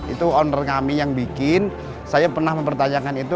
itu owner kami yang bikin saya pernah mempertanyakan itu